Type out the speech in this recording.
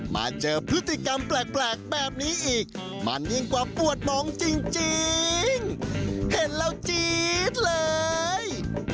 มาเจอพฤติกรรมแปลกแบบนี้อีกมันยิ่งกว่าปวดมองจริงเห็นแล้วจี๊ดเลย